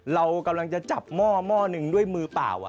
เรากำลังจะจับหม้อหนึ่งด้วยมือเปล่า